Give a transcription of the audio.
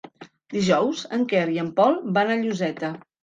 Dijous en Quer i en Pol van a Lloseta.